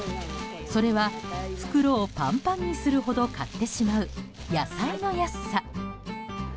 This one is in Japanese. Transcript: それは、袋をパンパンにするほど買ってしまう、野菜の安さ。